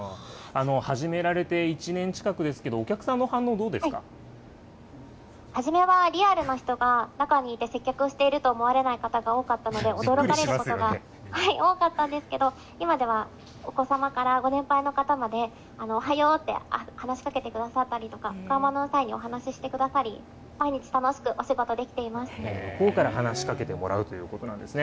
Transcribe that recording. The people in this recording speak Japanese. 始められて１年近くですけれども、お客さんの反応、どうです初めはリアルの人が中にいて接客をしていると思われない方が多かったので、驚かれる方が多かったんですけど、今ではお子様からご年配の方まで、おはようって、話しかけてくださったりとか、買い物の際にお話してくださったり、向こうから話しかけてもらうということですね。